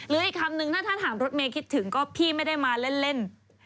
หรืออีกคำหนึ่งถ้าถามรถเมฆคิดถึงก็พี่ไม่ได้มาเล่น